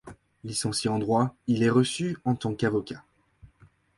Licencié en droit, il est reçu en tant qu'avocat.